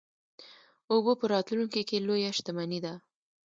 اوبه په راتلونکي کې لویه شتمني ده.